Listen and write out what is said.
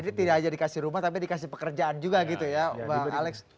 jadi tidak saja dikasih rumah tapi dikasih pekerjaan juga gitu ya bang alex